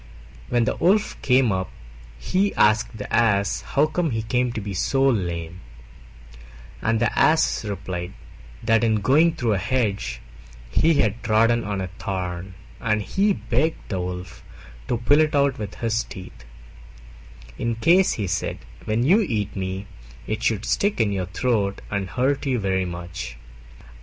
When the Wolf came up, he asked the Ass how he came to be so lame, and the Ass replied that in going through a hedge he had trodden on a thorn, and he begged the Wolf to pull it out with his teeth, "In case," he said, "when you eat me, it should stick in your throat and hurt you very much."